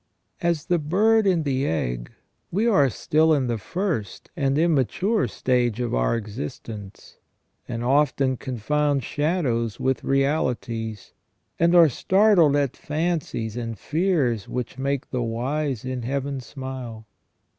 As the bird in the egg, we are stil^in the first and immature stage of our existence, and often confound shadows with realities, and are startled at fancies and fears which make the wise in heaven smile.